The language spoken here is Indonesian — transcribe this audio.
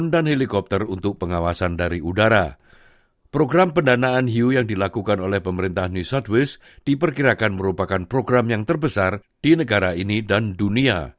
dan mengirakan merupakan program yang terbesar di negara ini dan dunia